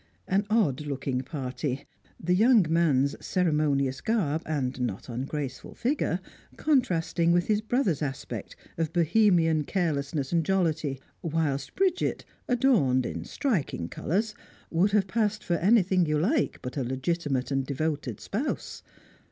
An odd looking party; the young man's ceremonious garb and not ungraceful figure contrasting with his brother's aspect of Bohemian carelessness and jollity, whilst Bridget, adorned in striking colours, would have passed for anything you like but a legitimate and devoted spouse.